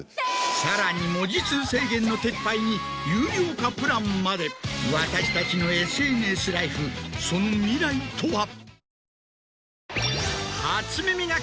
さらに文字数制限の撤廃に有料化プランまで私たちのＳＮＳライフその未来とは？